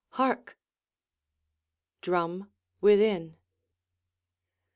Hark! [_Drum within.